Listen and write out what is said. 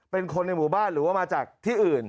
เป็นคนในหมู่บ้านหรือว่ามาจากที่อื่น